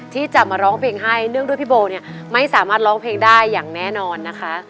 ที่จะมาร้องเพลงให้เนื่องด้วยพี่โบเนี่ยไม่สามารถร้องเพลงได้อย่างแน่นอนนะคะ